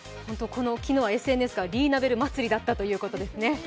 昨日はＳＮＳがリーナ・ベル祭りだったということですね。